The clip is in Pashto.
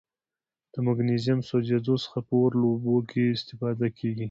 د مګنیزیم سوځیدلو څخه په اور لوبو کې استفاده کیږي.